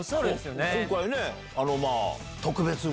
今回ね。